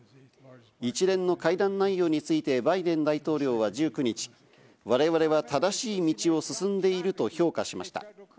一連の会談内容についてバイデン大統領は１９日、我々は正しい道を進んでいると評価しました。